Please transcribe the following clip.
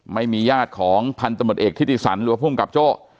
ไม่มีญาติของพันธมตเอกทิติสันหรือว่าภูมิกับโจ้